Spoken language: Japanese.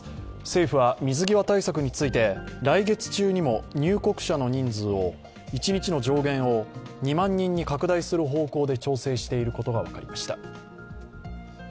政府は水際対策について来月中にも入国者の人数を１日の上限を２万人に拡大する方向で調整していることが分かりました。